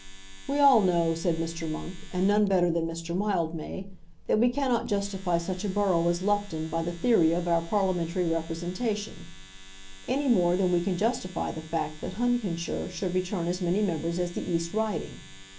"We all know," said Mr. Monk, "and none better than Mr. Mildmay, that we cannot justify such a borough as Loughton by the theory of our parliamentary representation, any more than we can justify the fact that Huntingdonshire should return as many members as the East Riding.